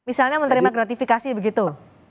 misalnya menerima gratifikasi begitu